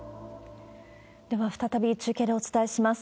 では再び中継でお伝えします。